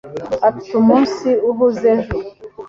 Ufite umunsi uhuze ejo